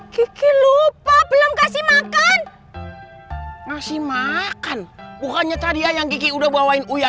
kiki lupa belum kasih makan masih makan bukannya tadi ayam kiki udah bawain uya